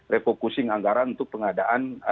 refocusing anggaran untuk pengadaan